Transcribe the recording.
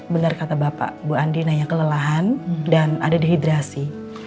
benar kata bapak bu andien hanya kelelahan dan ada dehidrasi